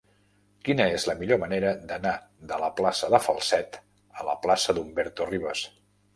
Quina és la millor manera d'anar de la plaça de Falset a la plaça d'Humberto Rivas?